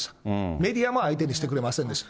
メディアも相手にしてくれませんでした。